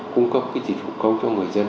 cung cấp cái dịch vụ công cho người dân